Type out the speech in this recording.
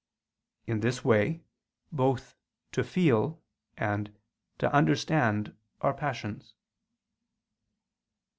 In this way, both to feel and to understand are passions.